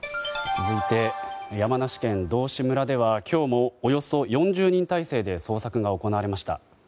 続いて、山梨県道志村では今日も、およそ４０人態勢で捜索が行われました。